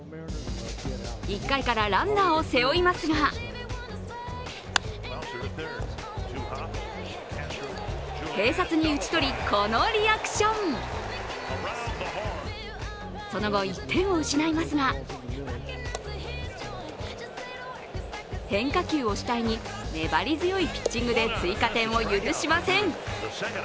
１回からランナーを背負いますが併殺に打ち取り、このリアクションその後、１点を失いますが変化球を主体に粘り強いピッチングで追加点を許しません。